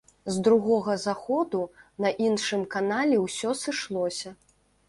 З другога заходу на іншым канале ўсё сышлося.